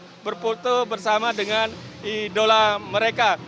beruntung mereka mungkin bisa berfoto bersama dengan idola mereka